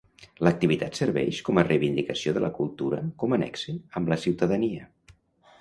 L'activitat serveix com a reivindicació de la cultura com a nexe amb la ciutadania.